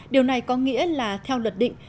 điều này có nghĩa là theo luật định